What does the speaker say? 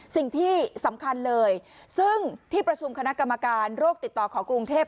สิ่งที่สำคัญเลยซึ่งที่ประชุมคณะกรรมการโรคติดต่อของกรุงเทพ